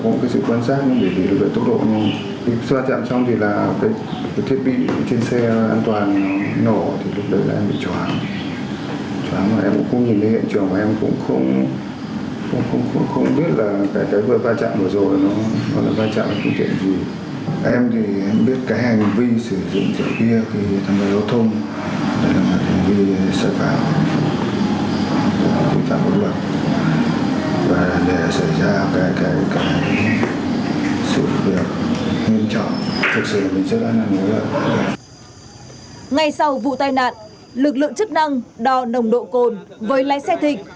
ngày sau vụ tai nạn lực lượng chức năng đo nồng độ cồn với lái xe thịnh